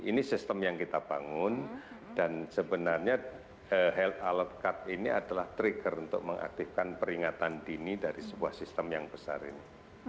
ini sistem yang kita bangun dan sebenarnya health alert card ini adalah trigger untuk mengaktifkan peringatan dini dari sebuah sistem yang besar ini